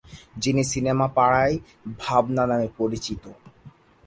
যিনি সিনেমা পাড়ায় "ভাবনা" নামে পরিচিত।